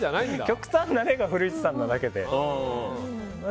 極端な例が古市さんなだけで。